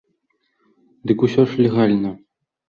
Дык ўсё ж легальна!